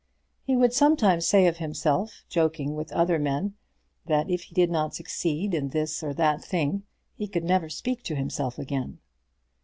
He would sometimes say of himself, joking with other men, that if he did not succeed in this or that thing, he could never speak to himself again.